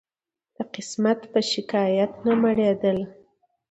د قسمت په شکایت نه مړېدله